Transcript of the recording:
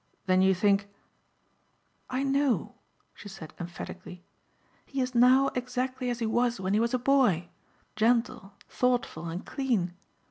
Then you think " "I know," she said emphatically. "He is now exactly as he was when he was a boy, gentle, thoughtful and clean.